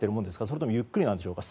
それともゆっくりでしょうか。